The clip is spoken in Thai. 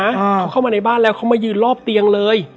เขาเข้ามาในบ้านแล้วเขามายืนรอบเตียงเลย